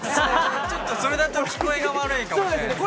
ちょっとそれだと聞こえが悪いかもしれないです。